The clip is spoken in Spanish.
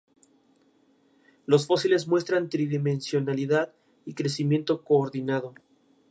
Sus principales cultivos son: caña de azúcar, hule, maíz, frijol, banano y plátano.